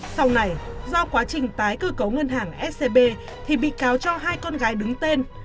sau này do quá trình tái cơ cấu ngân hàng scb thì bị cáo cho hai con gái đứng tên